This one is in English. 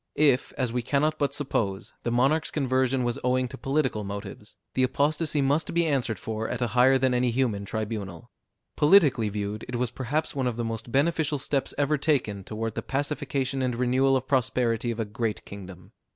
If, as we cannot but suppose, the monarch's conversion was owing to political motives, the apostacy must be answered for at a higher than any human tribunal; politically viewed, it was perhaps one of the most beneficial steps ever taken toward the pacification and renewal of prosperity of a great kingdom.